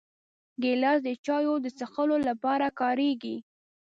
ګیلاس د چایو د څښلو لپاره کارېږي.